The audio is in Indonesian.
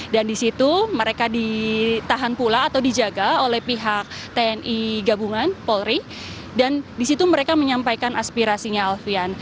dan di situ mereka ditahan pula atau dijaga oleh pihak tni gabungan polri dan di situ mereka menyampaikan aspirasinya alfian